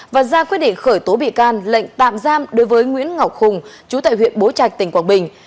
và ra quyết định khởi tố bị can lệnh tạm giam đối với nguyễn ngọc hùng chú tại huyện bố trạch tỉnh quảng bình